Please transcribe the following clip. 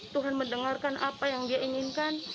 tuhan mendengarkan apa yang dia inginkan